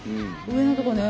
上のとこね。